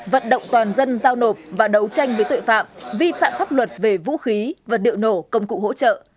vận động toàn dân giao nộp và đấu tranh với tội phạm vi phạm pháp luật về vũ khí vật liệu nổ công cụ hỗ trợ